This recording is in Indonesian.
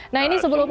nah ini sebelumnya